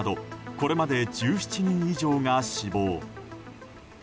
これまで１７人以上が死亡。